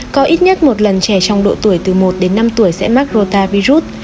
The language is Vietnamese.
có ít nhất một lần trẻ trong độ tuổi từ một đến năm tuổi sẽ mắc rotavirus